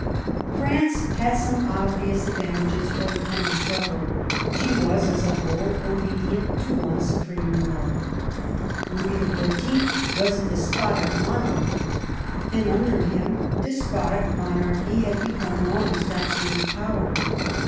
France had some obvious advantages for the coming struggle. She was, as a whole, obedient to one supreme will. Louis the Fourteenth was a despotic monarch, and under him despotic monarchy had become an al most absolute power.